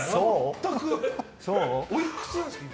おいくつなんですか、今。